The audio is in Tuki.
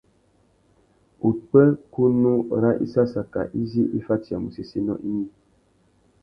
Upwêkunú râ issassaka izí i fatiyamú séssénô ignï.